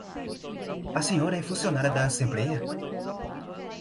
A senhora é funcionária da Assembleia?